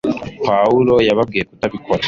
pawulo yababwiye kutabikora